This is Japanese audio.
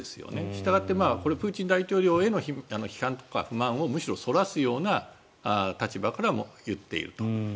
したがって、プーチン大統領への批判とか不満をむしろ、そらすような立場から言っていると。